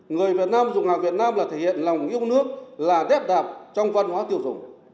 người việt nam dùng hàng việt nam là thể hiện lòng yêu nước là đẹp trong văn hóa tiêu dùng